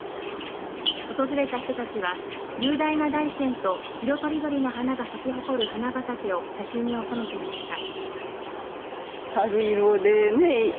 訪れた人たちは雄大な大山と色とりどりの花が咲き誇る花畑を写真に収めていました。